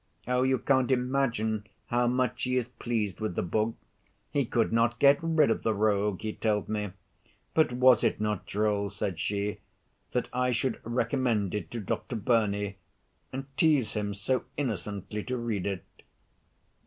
Oh, you can't imagine how much he is pleased with the book; he 'could not get rid of the rogue,' he told me. But was it not droll," said she, "that I should recommend it to Dr. Burney? and tease him so innocently to read it?"